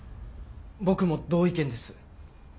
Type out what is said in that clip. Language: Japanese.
僕も同意見です。